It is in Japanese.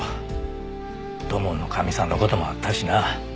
土門のかみさんの事もあったしな。